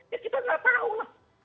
ya kita gak tahu lah